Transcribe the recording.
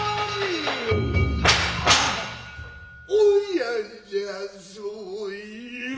親じゃぞよ。